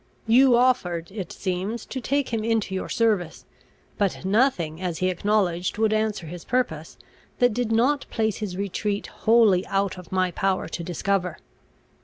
You offered, it seems, to take him into your service; but nothing, as he acknowledged, would answer his purpose, that did not place his retreat wholly out of my power to discover."